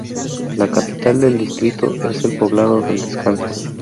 La Capital del distrito es el poblado de El Descanso.